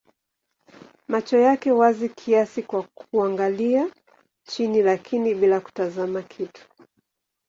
Macho yako wazi kiasi kwa kuangalia chini lakini bila kutazama kitu.